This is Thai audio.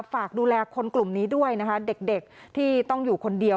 ฝากดูแลคนกลุ่มนี้ด้วยนะคะเด็กที่ต้องอยู่คนเดียว